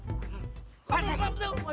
ayo kejar aja cepetan